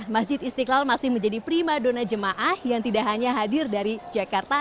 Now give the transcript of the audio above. masjid istiqlal masih menjadi prima dona jemaah yang tidak hanya hadir dari jakarta